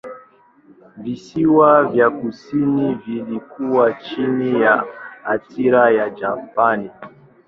Visiwa vya kusini vilikuwa chini ya athira ya Japani.